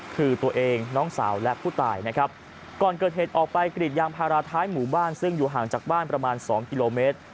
กำลังกระดิษฐ์ยางพาราท้ายหมู่บ้านซึ่งอยู่ห่างจากบ้านประมาณ๒กิโลเมตร